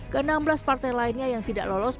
ke enam belas partai lainnya yang tidak lolos